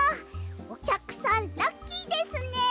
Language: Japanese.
おきゃくさんラッキーですね。